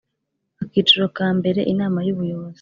Akiciro ka mbere Inama y Ubuyobozi